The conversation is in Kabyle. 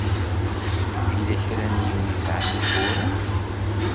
Yella kra n yiwen i yesɛan uguren.